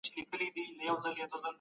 پاپانو ويل چي مذهب په ژوند لوی نفوذ لري.